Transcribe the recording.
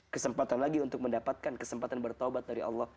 kesempatan lagi untuk mendapatkan kesempatan bertobat dari allah